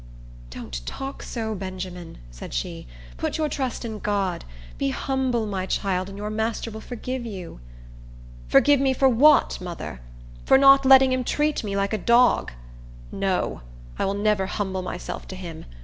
"Don't talk so, Benjamin," said she. "Put your trust in God. Be humble, my child, and your master will forgive you." "Forgive me for what, mother? For not letting him treat me like a dog? No! I will never humble myself to him.